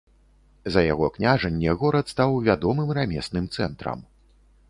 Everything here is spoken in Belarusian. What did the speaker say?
За яго княжанне горад стаў вядомым рамесным цэнтрам.